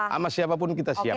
sama siapa pun kita siap